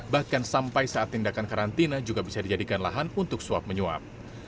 bahkan sampai saat tindakan karantina juga bisa dijadikan lahan untuk suap menyuap